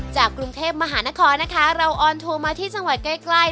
จากกรุงเทพมหานครนะคะเราออนโทรมาที่จังหวัดใกล้